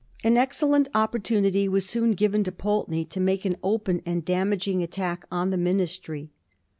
An excellent opportunity was soon given to Pul teney to make an open and a damaging attack on the ministry.